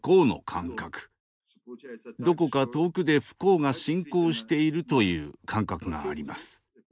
どこか遠くで不幸が進行しているという感覚があります。